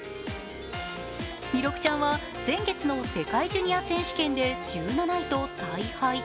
弥勒ちゃんは先月の世界ジュニア選手権で１７位と大敗。